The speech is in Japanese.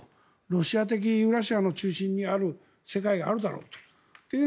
ロシア的ユーラシア中心に世界があるだろうという。